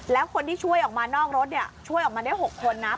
แล้วคนที่ช่วยออกมานอกรถช่วยออกมาได้๖คนนะ